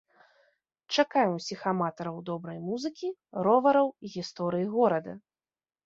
Чакаем усіх аматараў добрай музыкі, ровараў і гісторыі горада!